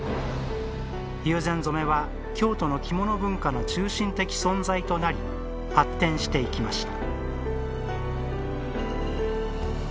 友禅染は、京都の着物文化の中心的存在となり発展していきました。